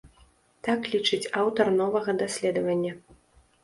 Так лічыць аўтар новага даследавання.